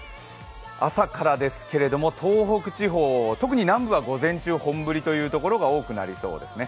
朝からですけれども東北地方、特に南部は午前中本降りのところが多くなりそうですね。